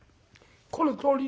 このとおり。